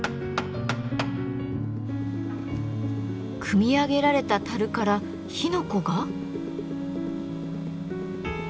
組み上げられた樽から火の粉が？